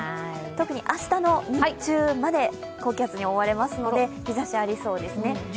特に明日の日中まで高気圧に覆われますので日ざしありそうですね。